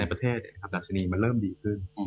ในประเทศอัพยาปนัชนีมันเริ่มดีขึ้น